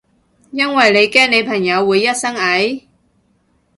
因為你驚你朋友會一身蟻？